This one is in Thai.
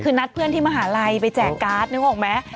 คือนัดเพื่อนที่มหาลัยไปแจกการ์ดนึกออกไหม